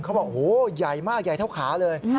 เขาบอกโอ้โหใหญ่มากใหญ่เท่าขาเลย